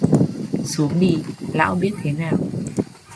Xuống đi...lão biết thế nào